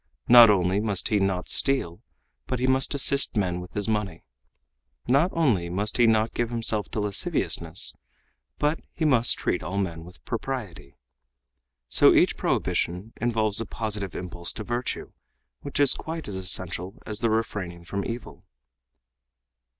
Not only must he not steal, but he must assist men with his money. Not only must he not give himself to lasciviousness, but he must treat all men with propriety. So each prohibition involves a positive impulse to virtue, which is quite as essential as the refraining from evil."